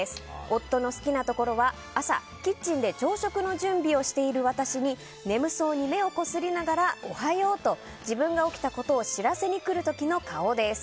夫の好きなところは朝、キッチンで朝食の準備をしている私に眠そうに目をこすりながらおはようと自分が起きたことを知らせにくる時の顔です。